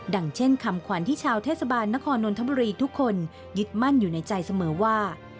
เช่นคำขวัญที่ชาวเทศบาลนครนนทบุรีทุกคนยึดมั่นอยู่ในใจเสมอว่า